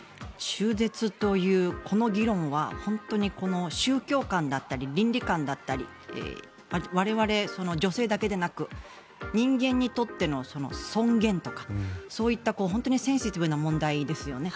中絶というこの議論は本当に宗教観だったり倫理観だったり我々、女性だけでなく人間にとっての尊厳とかそういった本当にセンシティブな問題ですよね。